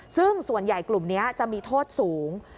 ซึ่งส่วนใหญ่กลุ่มนี้จะมีโทษสูง